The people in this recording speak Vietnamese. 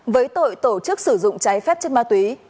với tội tổ chức sử dụng trái phép chất ma túy